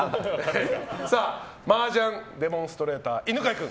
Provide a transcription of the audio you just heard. マージャンデモンストレーター犬飼君。